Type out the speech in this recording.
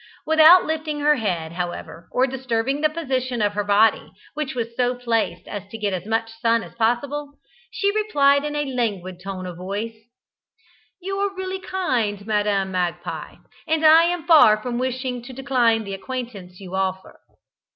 Without lifting her head, however, or disturbing the position of her body, which was so placed as to get as much sun as possible, she replied in a languid tone of voice: "You are really very kind, Madam Magpie, and I am far from wishing to decline the acquaintance you offer."